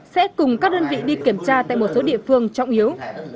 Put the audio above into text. sẽ cùng các đơn vị đi kiểm tra tại một số địa phương trọng yếu